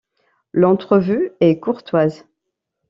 L'entrevue est courtoise.